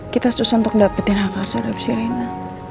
kita susun untuk dapetin hak asol dari si reina